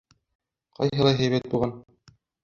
Ҡайһылай һәйбәт булған.